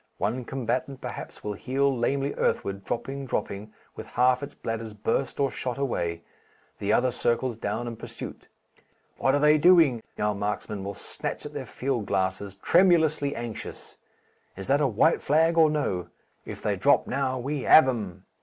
One combatant, perhaps, will heel lamely earthward, dropping, dropping, with half its bladders burst or shot away, the other circles down in pursuit.... "What are they doing?" Our marksmen will snatch at their field glasses, tremulously anxious, "Is that a white flag or no?... If they drop now we have 'em!"